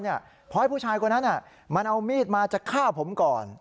เพราะให้ผู้ชายคนนั้นมันเอามีดมาจะฆ่าผมก่อน